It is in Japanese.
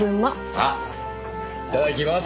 あっいただきます。